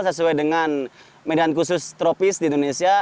sesuai dengan medan khusus tropis di indonesia